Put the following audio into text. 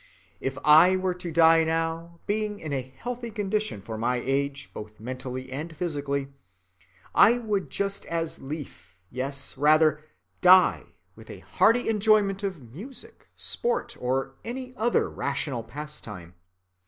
If I were to die now, being in a healthy condition for my age, both mentally and physically, I would just as lief, yes, rather, die with a hearty enjoyment of music, sport, or any other rational pastime.